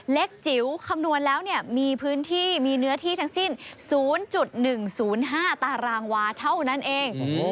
จิ๋วคำนวณแล้วมีพื้นที่มีเนื้อที่ทั้งสิ้น๐๑๐๕ตารางวาเท่านั้นเอง